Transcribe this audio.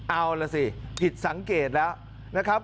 เอาละสิผิดสังเกตแล้ว